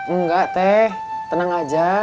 enggak teh tenang aja